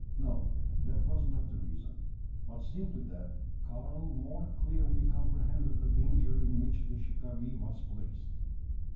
No, that was not the reason; but simply that Karl more clearly comprehended the danger in which the shikaree was placed.